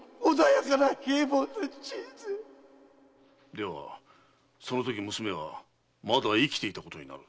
ではそのとき娘はまだ生きていたことになる。